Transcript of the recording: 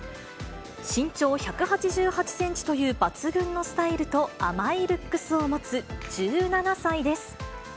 身長１８８センチという抜群のスタイルと甘いルックスを持つ１７歳です。